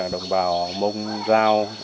đồng bào mông rau